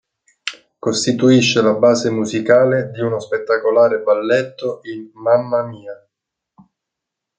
Costituisce la base musicale di uno spettacolare balletto in "Mamma Mia!